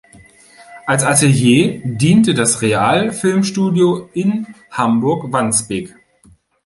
Als Atelier diente das Real-Film-Studio in Hamburg-Wandsbek.